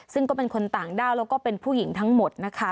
ซึ่งก็เป็นคนต่างด้าวแล้วก็เป็นผู้หญิงทั้งหมดนะคะ